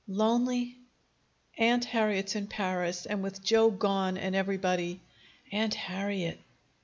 "Lonely!" "Aunt Harriet's in Paris, and with Joe gone and everybody " "Aunt Harriet!"